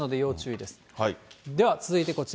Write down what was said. では続いてこちら。